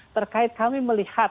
terkait kami melihat